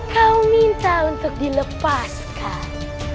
kau minta untuk dilepaskan